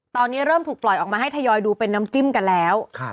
ตอนนี้เริ่มถูกปล่อยออกมาให้ทยอยดูเป็นน้ำจิ้มกันแล้ว